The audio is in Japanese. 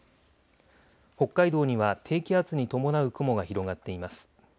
北海道には低気圧に伴う雲が広がっています。